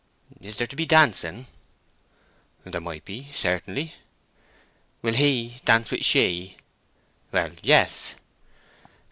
"Is there to be dancing?" "There might be, certainly." "Will He dance with She?" "Well, yes."